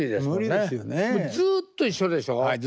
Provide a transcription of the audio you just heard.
もうずっと一緒でしょ？